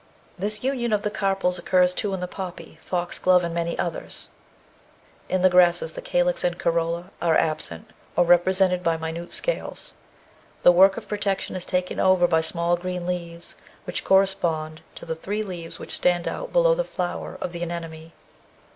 This union of the carpels occurs too in the poppy, foxglove, and many others. In the grasses the calyx and corolla are absent, or represented by minute scales ; the work of protection is taken over by small green leaves which correspond to the three leaves which stand out below the flower of the anemone.